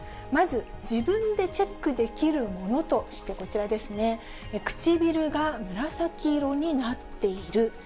まず自分でチェックできるものとしてこちらですね、唇が紫色になっている。